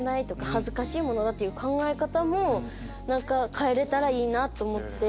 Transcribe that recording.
恥ずかしいものだって考え方も変えれたらいいなと思って。